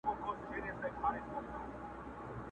نه په شونډي په لمدې کړم نه مي څاڅکي ته زړه کیږي!